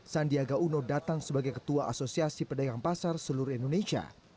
sandiaga uno datang sebagai ketua asosiasi pedagang pasar seluruh indonesia